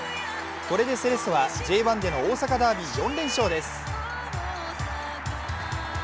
これでセレッソはＪ１での大阪ダービー４連勝です。